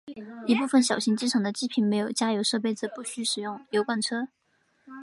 一部份小型机场的机坪设有加油设备则不需使用油罐车。